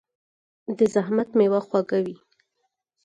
د زحمت میوه خوږه وي.